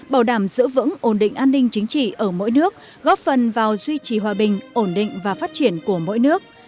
bảo đảm giữ vững ổn định an ninh chính trị ở mỗi nước góp phần vào duy trì hòa bình ổn định và phát triển của mỗi nước